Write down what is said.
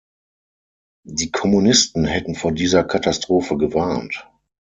Die Kommunisten hätten vor dieser Katastrophe gewarnt.